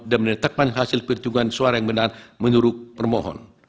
dan menetapkan hasil pertumbuhan suara yang benar menurut permohon